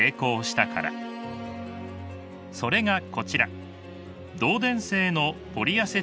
それがこちら。